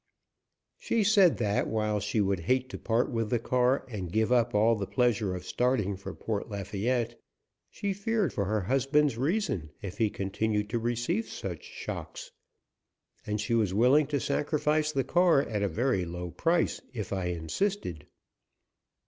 She said that while she would hate to part with the car, and give up all the pleasure of starting for Port Lafayette, she feared for her husband's reason if he continued to receive such shocks, and she was willing to sacrifice the car at a very low price, if I insisted.